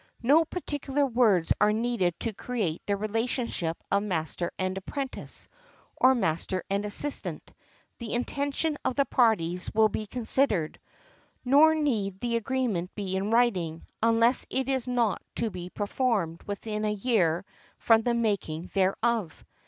No particular words are needed to create the relationship of master and apprentice, or master and assistant, the intention of the parties will be considered, nor need the agreement be in writing, unless it is not to be performed within a year from the making thereof .